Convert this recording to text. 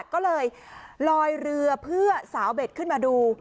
ก็เลยลอยเรือเพื่อสาวเบ็ดขึ้นมาดู